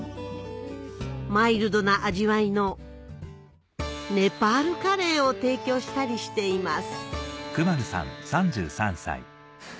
マイルドな味わいのネパールカレーを提供したりしています